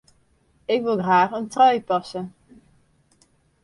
Ik wol graach in trui passe.